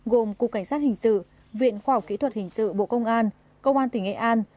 gồm cục cảnh sát hình sự viện khoa học kỹ thuật hình sự bộ công an công an tỉnh nghệ an